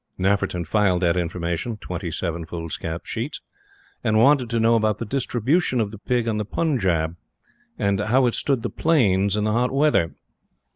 Nafferton filed that information twenty seven foolscap sheets and wanted to know about the distribution of the Pig in the Punjab, and how it stood the Plains in the hot weather.